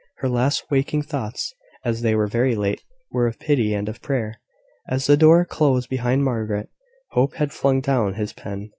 Her last waking thoughts (and they were very late) were of pity and of prayer. As the door closed behind Margaret, Hope had flung down his pen.